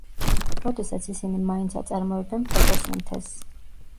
როდესაც ისინი მაინც აწარმოებენ ფოტოსინთეზს.